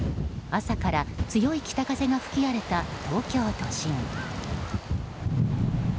朝から強い北風が吹き荒れた東京都心。